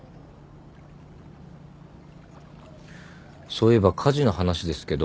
そういえば火事の話ですけど。